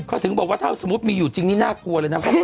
เขาถึงบอกว่าถ้าสมมุติมีอยู่จริงนี่น่ากลัวเลยนะ